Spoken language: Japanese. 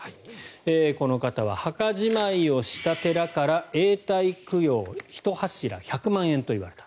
この方は墓じまいをした寺から永代供養１柱１００万円といわれた。